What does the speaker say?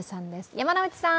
山内さん！